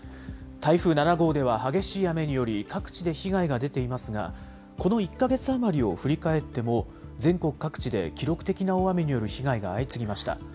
台風７号では激しい雨により各地で被害が出ていますが、この１か月余りを振り返っても、全国各地で記録的な大雨による被害が相次ぎました。